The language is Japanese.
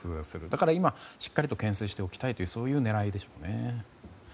だから今しっかりと牽制しておきたいという狙いでしょうね。